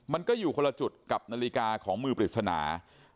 มันก็อยู่คนละจุดกับนาฬิกาของมือปริศนา